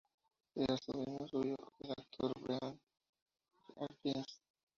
Era sobrino suyo el actor Brian d'Arcy James.